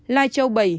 lai châu bảy